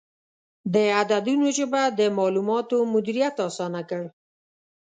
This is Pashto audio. د عددونو ژبه د معلوماتو مدیریت اسانه کړ.